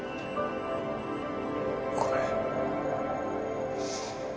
ごめん。